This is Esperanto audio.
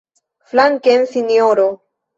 Flanken, sinjoro!